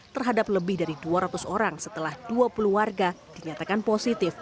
terhadap lebih dari dua ratus orang setelah dua puluh warga dinyatakan positif